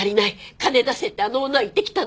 金出せ」ってあの女は言ってきたんだ。